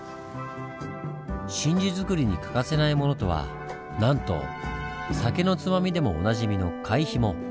真珠づくりに欠かせないものとはなんと酒のつまみでもおなじみの貝ひも。